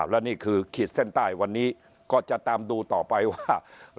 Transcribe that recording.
และนี่คือขีดเส้นใต้วันนี้ก็จะตามดูต่อไปว่า